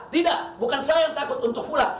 tidak bukan saya yang takut untuk pulang